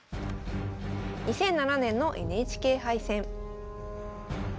２００７年のＮＨＫ杯戦。